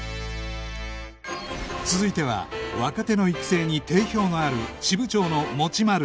続いては若手の育成に定評のある支部長の持丸